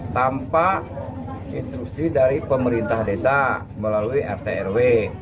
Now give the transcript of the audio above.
tanpa instruksi dari pemerintah desa melalui rtrw